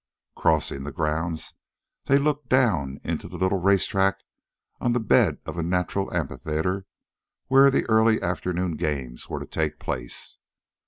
Crossing the grounds, they looked down into the little race track on the bed of a natural amphitheater where the early afternoon games were to take place.